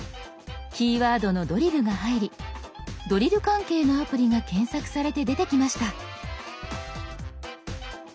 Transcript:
キーワードの「ドリル」が入りドリル関係のアプリが検索されて出てきました。